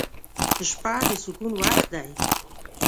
• شپه د سکون وخت دی.